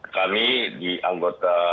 kami di anggota